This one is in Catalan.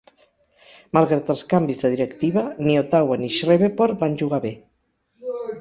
Malgrat els canvis de directiva ni Ottawa ni Shreveport van jugar bé.